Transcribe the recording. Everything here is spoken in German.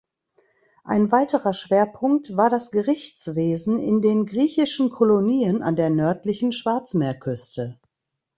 Ein weiterer Schwerpunkt war das Gerichtswesen in den griechischen Kolonien an der nördlichen Schwarzmeerküste.